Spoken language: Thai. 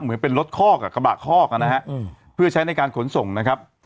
เหมือนเป็นรถคอกกับกระบะคอกนะฮะเพื่อใช้ในการขนส่งนะครับ